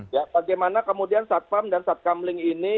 ya bagaimana kemudian satpam dan satkamling ini